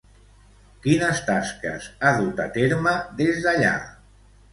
Quines tasques ha dut a terme des d'allà?